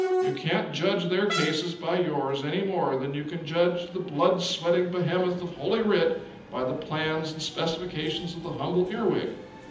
You can't judge their cases by yours any more than you can judge the blood sweating behemoth of Holy Writ by the plans and specifications of the humble earwig.